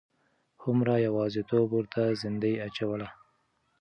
هومره یوازیتوب ورته زندۍ اچوله.